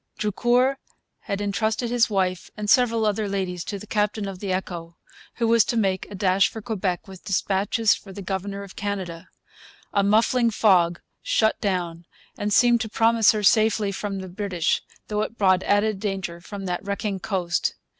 Drucour had entrusted his wife and several other ladies to the captain of the Echo, who was to make a dash for Quebec with dispatches for the governor of Canada. A muffling fog shut down and seemed to promise her safety from the British, though it brought added danger from that wrecking coast.